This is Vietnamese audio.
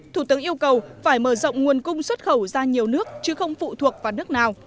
thủ tướng yêu cầu phải mở rộng nguồn cung xuất khẩu ra nhiều nước chứ không phụ thuộc vào nước nào